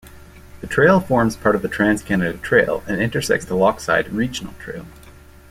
The trail forms part of the Trans-Canada Trail, and intersects the Lochside Regional Trail.